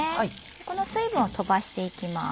この水分を飛ばしていきます。